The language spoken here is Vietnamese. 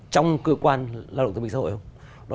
trong cơ quan lao động thương minh xã hội không